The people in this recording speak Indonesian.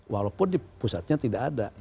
walaupun di pusatnya tidak ada